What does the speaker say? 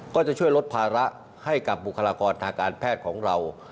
ก็จะช่วยลดภาระให้กับบุคลากรทางการแพทย์ของเรา